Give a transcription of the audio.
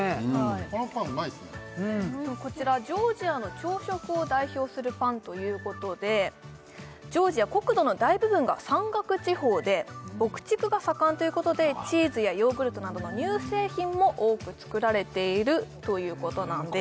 このパンうまいっすねこちらジョージアの朝食を代表するパンということでジョージア国土の大部分が山岳地方で牧畜が盛んということでチーズやヨーグルトなどの乳製品も多く作られているということなんです